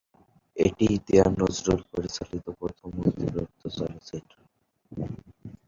এটিই দেওয়ান নজরুল পরিচালিত প্রথম মুক্তিপ্রাপ্ত চলচ্চিত্র।